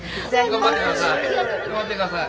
頑張ってください。